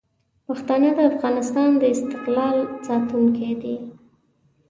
پښتانه د افغانستان د استقلال ساتونکي دي.